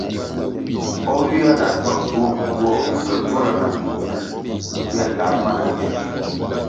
O ywia na gywang duo mbpi duo pe bvura na mimbvū ywe lar na mye.